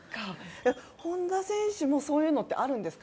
本多選手もそういうのってあるんですか？